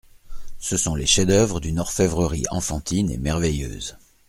Ce sont les chefs-d'oeuvre d'une orfèvrerie enfantine et merveilleuse.